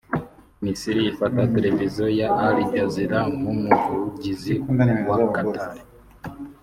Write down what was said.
Misiri ifata televiziyo ya Al-Jazeera nk’umuvugizi wa Qatar